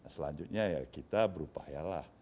selanjutnya ya kita berupaya lah